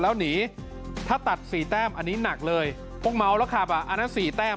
แล้วหนีถ้าตัดสี่แต้มอันนี้หนักเลยพวกเมาแล้วขับอ่ะอันนั้น๔แต้ม